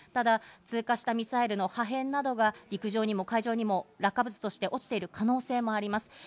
ただ通過したミサイルの破片などが陸上にも海上にも落下物として落ちている可能性もあります。